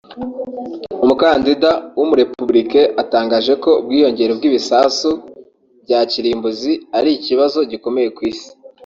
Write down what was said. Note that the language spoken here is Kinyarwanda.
umukandida w’umu-Républicain atangaje ko ubwiyongere bw’ibisasu bya kirimbuzi ari ikibazo gikomeye ku isi